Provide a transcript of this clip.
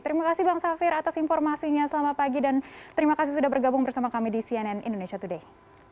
terima kasih bang safir atas informasinya selamat pagi dan terima kasih sudah bergabung bersama kami di cnn indonesia today